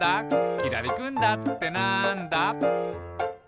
「きらりくんだってなんだ？」